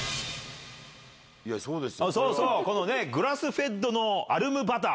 そうそう、グラスフェッドのアルムバター。